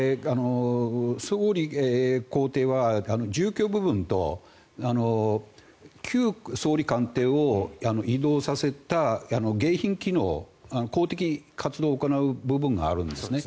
総理公邸は住居部分と旧総理官邸を移動させた迎賓機能、公的活動を行う部分があるんですね。